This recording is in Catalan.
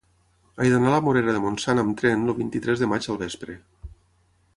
He d'anar a la Morera de Montsant amb tren el vint-i-tres de maig al vespre.